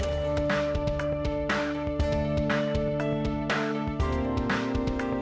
lu gak ke satu ratus lima belas